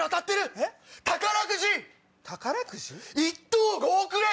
１等５億円。